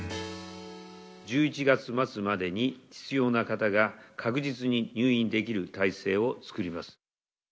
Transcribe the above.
１１月末までに、必要な方が確実に入院できる体制を作ります。